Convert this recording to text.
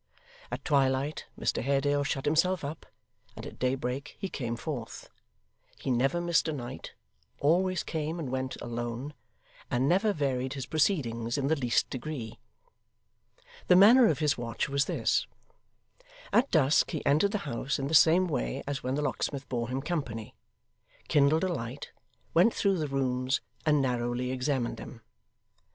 At twilight, Mr Haredale shut himself up, and at daybreak he came forth. He never missed a night, always came and went alone, and never varied his proceedings in the least degree. The manner of his watch was this. At dusk, he entered the house in the same way as when the locksmith bore him company, kindled a light, went through the rooms, and narrowly examined them.